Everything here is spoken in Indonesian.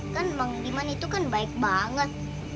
kan mang liman itu kan baik banget